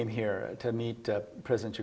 mengerti selama lima belas tahun